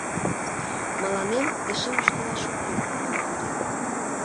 — Мыланем эше йӱштылаш ок лий, — мане Юрик.